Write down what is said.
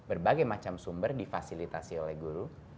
berbagai macam sumber difasilitasi oleh guru